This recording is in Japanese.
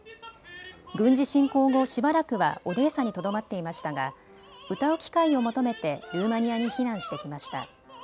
軍事侵攻後、しばらくはオデーサにとどまっていましたが歌う機会を求めてルーマニアに避難してきました。